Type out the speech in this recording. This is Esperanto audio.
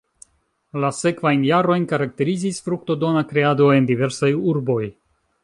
La sekvajn jarojn karakterizis fruktodona kreado en diversaj urboj.